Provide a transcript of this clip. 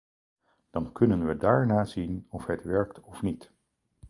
Dan kunnen we daarna zien of het werkt of niet.